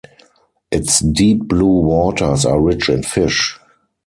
Its deep blue waters are rich in fish.